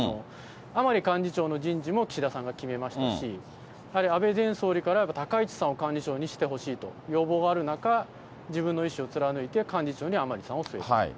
甘利幹事長の人事も岸田さんが決めましたし、やはり安倍前総理から高市さんを幹事長にしてほしいと要望がある中、自分の意思を貫いて幹事長に甘利さんを起用したと。